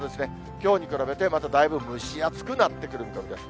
きょうに比べてまただいぶ蒸し暑くなってくる見込みです。